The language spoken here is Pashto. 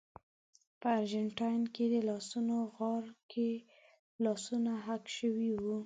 په ارجنټاین کې د لاسونو غار کې لاسونه حک شوي وو.